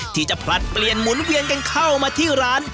ผลัดเปลี่ยนหมุนเวียนกันเข้ามาที่ร้าน